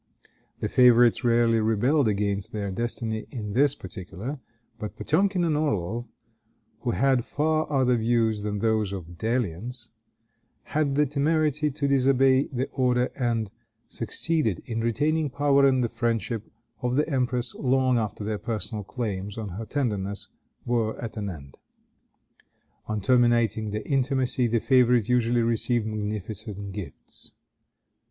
The favorites rarely rebelled against their destiny in this particular; but Potemkin and Orloff, who had far other views than those of dalliance, had the temerity to disobey the order, and succeeded in retaining power and the friendship of the empress long after their personal claims on her tenderness were at an end. On terminating the intimacy, the favorite usually received magnificent gifts.